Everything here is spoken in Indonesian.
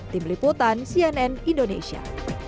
tim liputan cnn indonesia